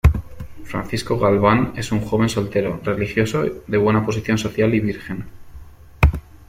Francisco Galván es un joven soltero, religioso, de buena posición social y virgen.